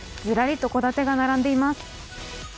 ずらりと戸建てが並んでいます。